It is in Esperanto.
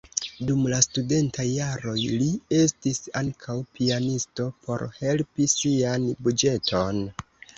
Dum la studentaj jaroj li estis ankaŭ pianisto por helpi sian buĝeton.